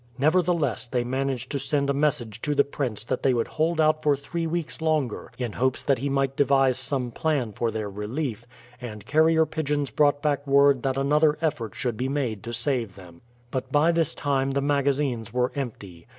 Nevertheless they managed to send a message to the prince that they would hold out for three weeks longer in hopes that he might devise some plan for their relief, and carrier pigeons brought back word that another effort should be made to save them. But by this time the magazines were empty.